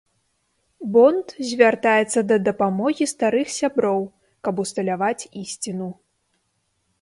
Бонд звяртаецца да дапамогі старых сяброў, каб усталяваць ісціну.